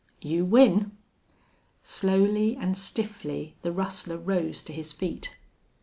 "You win!" Slowly and stiffly the rustler rose to his feet.